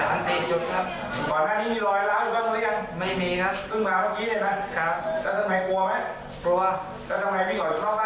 ก่อนหน้านี้มีรอยล้าวอยู่บ้างพอหรือยัง